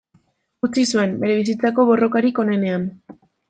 Utzi zuen, bere bizitzako borrokarik onenean.